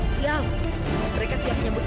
sial mereka siap nyambut kita